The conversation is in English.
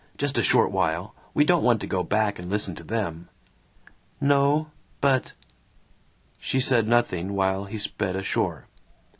Just a short while! We don't want to go back and listen to them!" "No, but " She said nothing while he sped ashore.